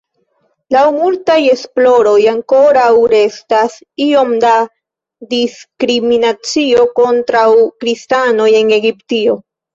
Laŭ multaj esploroj, ankoraŭ restas iom da diskriminacio kontraŭ kristanoj en Egiptio.